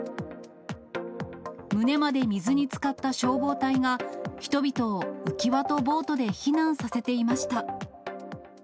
胸まで水につかった消防隊が、人々を浮き輪とボートで避難させていました。